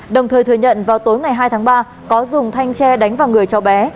đồng thời thừa nhận vào tối ngày hai tháng ba có dùng thanh tre đánh vào người cháu bé